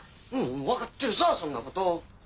分かってるさぁそんなこと。